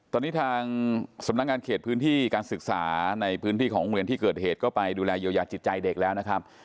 ตอนนี้ทางสำนักงานเขตพื้นที่การศึกษาในพื้นที่ของโรงเรียนที่เกิดเหตุก็ไปดูแลเยียวยาจิตใจเด็กแล้วนะครับ